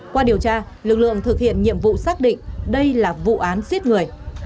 qua điều tra lực lượng thực hiện nhiệm vụ xác định đây là vụ án giết người